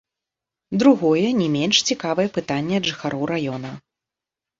Другое, не менш цікавае пытанне ад жыхароў раёна.